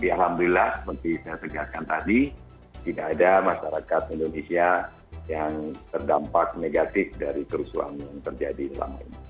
alhamdulillah seperti saya tegaskan tadi tidak ada masyarakat indonesia yang terdampak negatif dari kerusuhan yang terjadi selama ini